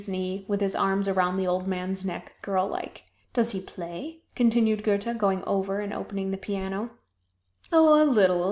Felix sat on his teacher's knee, with his arms around the old man's neck, girl like. "Does he play?" continued Goethe, going over and opening the piano. "Oh, a little!"